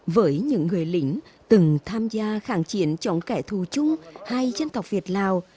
với những người lính từng tham gia kháng chiến chống kẻ thù chung hai dân tộc việt lào